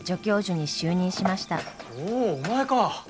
おおお前か！